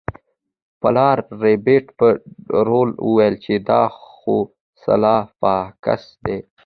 پلار ربیټ په ورو وویل چې دا خو سلای فاکس دی